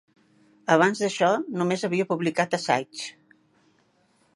Abans d'això, només havia publicat assaigs.